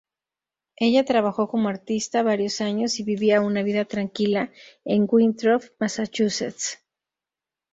Ella trabajó como artista varios años y vivía una vida tranquila en Winthrop, Massachusetts.